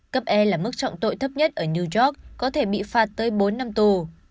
cấp e là mức trọng tội thấp nhất ở new york có thể bị phạt tới bốn năm tù